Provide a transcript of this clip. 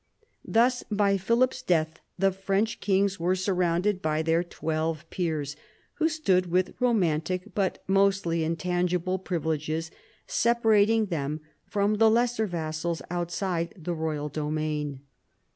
Thus by Philip's death the French kings were surrounded by their twelve peers, who stood with romantic but mostly intangible privileges separating them from the lesser vassals outside the royal domain.